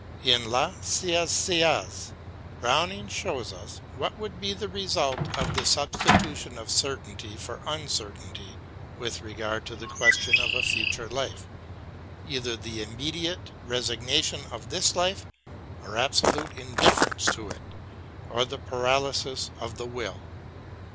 In " La Saisiaz " Browning shows us what would be the result of the substitution of certainty for uncertainty with regard to the question of a future life — either the immediate resignation of this life or absolute indifference to it, or the paralysis of the will.